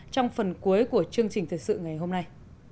trong phần cuối của chương trình thời sự ngày hôm nay